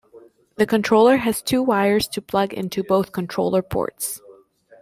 The controller has two wires to plug into both controller ports.